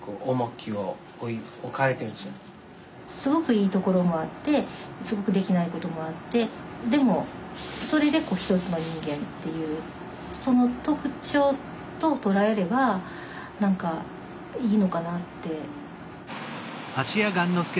すごくいいところもあってすごくできない事もあってでもそれで一つの人間っていうその特徴と捉えれば何かいいのかなって。